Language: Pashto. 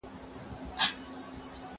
زه پرون ځواب ليکم